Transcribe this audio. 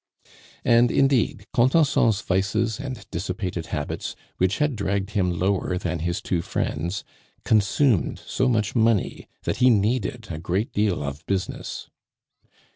And, indeed, Contenson's vices and dissipated habits, which had dragged him lower than his two friends, consumed so much money, that he needed a great deal of business.